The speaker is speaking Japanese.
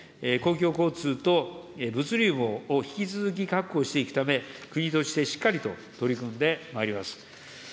公共交通と物流網を引き続き確保していくため、国としてしっかりと取り組んでまいります。